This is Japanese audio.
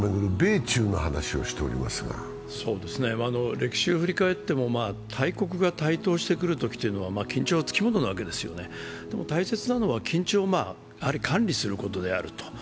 歴史を振り返っても大国が台頭してくるときは、緊張は付き物なんですよね、大切なのは緊張を管理することであると。